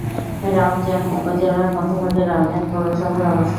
রাউজান উপজেলার মধ্যভাগে রাউজান পৌরসভার অবস্থান।